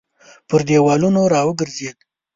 پر دېوالونو راوګرځېد.